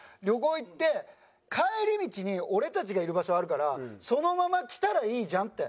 旅行行って「帰り道に俺たちがいる場所あるからそのまま来たらいいじゃん」